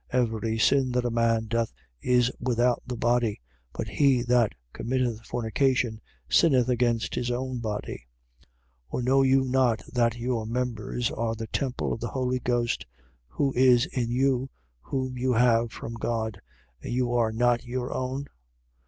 Every sin that a man doth is without the body: but he that committeth fornication sinneth against his own body. 6:19. Or know you not that your members are the temple of the Holy Ghost, who is in you, whom you have from God: and you are not your own?